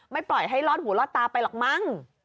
ปล่อยให้ลอดหูลอดตาไปหรอกมั้ง